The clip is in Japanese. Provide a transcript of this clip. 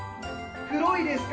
黒いですか？